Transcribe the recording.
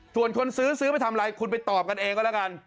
ส่วนคนซื้อซื้อไปทำอะไรคุณไปตอบกันเองก็แล้วกัน